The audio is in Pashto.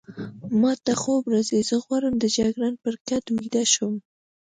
ما ته خوب راځي، زه غواړم د جګړن پر کټ ویده شم.